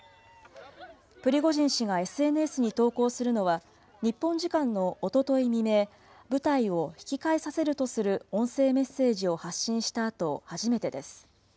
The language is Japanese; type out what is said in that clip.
プリゴジン氏がＳＮＳに投稿するのは、日本時間のおととい未明、部隊を引き返させるとする音声メッセージを発信したあと初めてです。